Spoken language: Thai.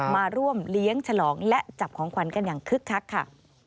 มาร่วมเลี้ยงฉลองและจับของขวัญกันอย่างคึกคักค่ะ